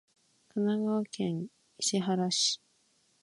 神奈川県伊勢原市